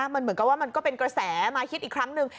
มันเหมือนกับว่ามันก็เป็นกระแสมาฮิตอีกครั้งหนึ่ง